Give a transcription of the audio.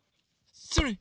それ！